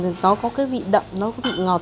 nó có cái vị đậm nó có vị ngọt